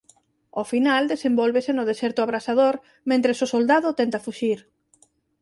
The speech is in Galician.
O final desenvólvese no deserto abrasador mentres o soldado tenta fuxir.